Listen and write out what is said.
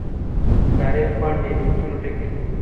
د تاريخ پاڼې له عبرتونو ډکې دي.